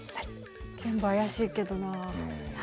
全部怪しいけどなあ。